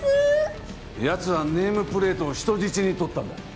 奴はネームプレートを人質に取ったんだ。